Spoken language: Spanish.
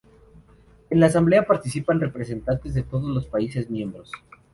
En la Asamblea participan representantes de todos los países miembros.